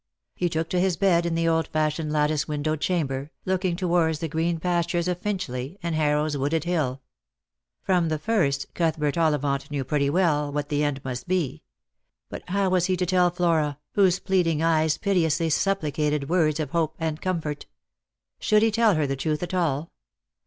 He took to his bed in the old fashioned lattice windowed chamber, looking towards the green pastures of Pinchley and Harrow's wooded hill. From the first, Outhbert Ollivant knew pretty well what the end must be. But how was he to tell Flora, whose pleading eyes piteously supplicated words of hope and comfort? Should he tell her the truth at all?